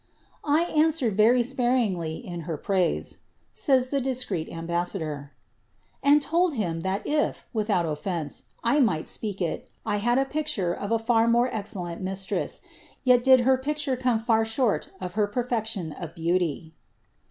^^ I an swered very sparingly in her praise," says the discreet ambassador, ^and told him, that if, without offence, I might speak it, 1 had the pic ture of a far more excellent mistress, yet did her picture come far short of her perfection of beauty."